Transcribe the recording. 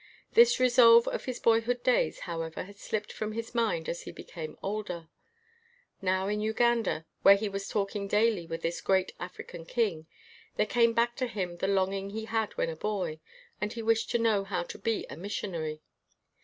This resolve of his boyhood days, however, had slipped from his mind as he became older. Now in Uganda, where he was talking daily with this great African king, there came back to him the longing he had when a boy, and he wished to know how to be a missionary.